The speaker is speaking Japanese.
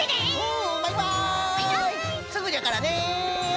すぐじゃからね。